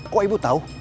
kok ibu tahu